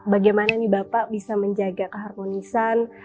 bagaimana nih bapak bisa menjaga keharmonisan